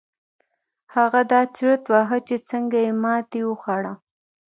هغه دا چورت واهه چې څنګه يې ماتې وخوړه.